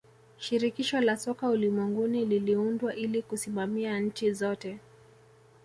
shirikisho la soka ulimwenguni liliundwa ili kusimamia nchi zote